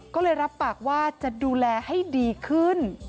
ก็เลยรับปากว่าจะดูแลให้ดีขึ้น